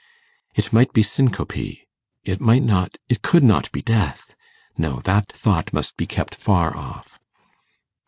It might be syncope; it might not it could not be death. No! that thought must be kept far off.